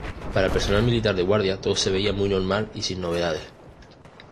Para el personal militar de guardia todo se veía muy normal y sin novedades.